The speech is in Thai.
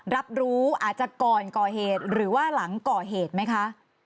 รับรู้อาจจะก่อนก่อเหตุหรือว่าหลังก่อเหตุไหมคะ